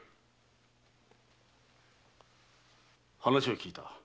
話は聞いた。